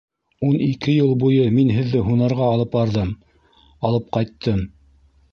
Ун ике йыл буйы мин һеҙҙе һунарға алып барҙым, алып ҡайттым.